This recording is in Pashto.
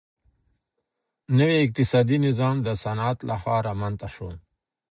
نوی اقتصادي نظام د صنعت لخوا رامنځته سو.